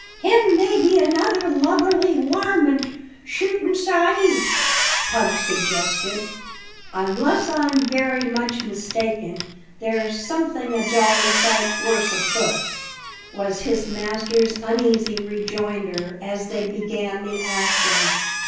"Him maybe another lubberly warmint shooting, sa'b," Pug suggested. "Unless I'm very much mistaken, there's something a jolly sight worse afoot," was his master's uneasy rejoinder as they began the ascent.